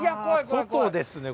外ですね